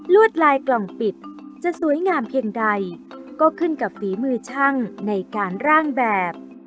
วดลายกล่องปิดจะสวยงามเพียงใดก็ขึ้นกับฝีมือช่างในการร่างแบบ